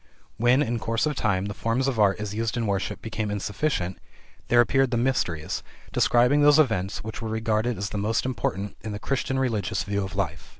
When, in course of time, the forms of art as used in worship became insufficient, there appeared the Mysteries, describing those events which were regarded as the most important in the Christian religious view of life.